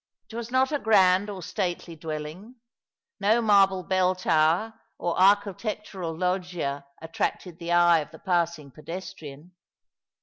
It was not a grand or stately dwelling. No marble bell tower or architectural loggia attracted the eye of the passing pedestrian.